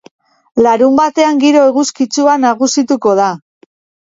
Larunbatean giro eguzkitsua nagusituko da.